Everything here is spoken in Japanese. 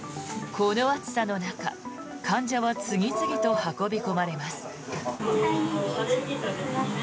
この暑さの中患者は次々と運び込まれます。